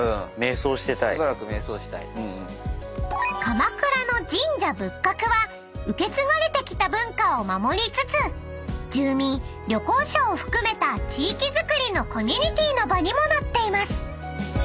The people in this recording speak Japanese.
［鎌倉の神社仏閣は受け継がれてきた文化を守りつつ住民旅行者を含めた地域づくりのコミュニティーの場にもなっています］